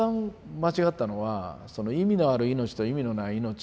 間違ったのはその「意味のある命と意味のない命」。